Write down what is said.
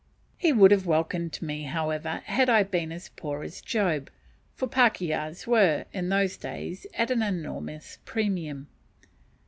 He would have welcomed me, however, had I been as poor as Job, for pakehas were, in those days, at an enormous premium.